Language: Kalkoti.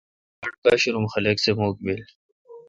باڑ با شرم خلق سہ مکھ بیل۔